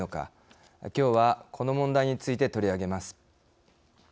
きょうはこの問題について取り上げます。